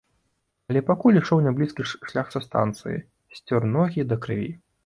Але пакуль ішоў няблізкі шлях са станцыі, сцёр ногі да крыві!